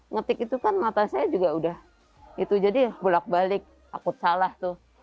ngetik itu kan mata saya juga udah itu jadi bolak balik takut salah tuh